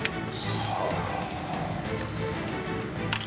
はあ。